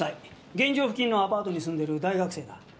現場付近のアパートに住んでる大学生だ。